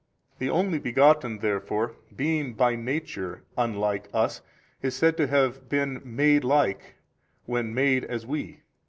The Only Begotten therefore being by Nature unlike us is said to have been made like when MADE as we, i.